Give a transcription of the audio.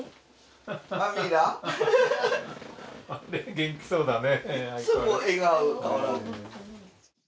元気そうだね。